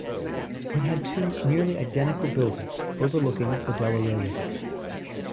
It had two nearly identical buildings overlooking the Delaware River.